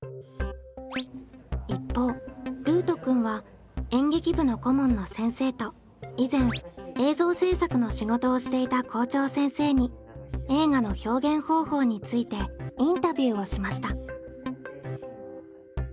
一方ルートくんは演劇部の顧問の先生と以前映像制作の仕事をしていた校長先生に映画の表現方法についてインタビューをしました。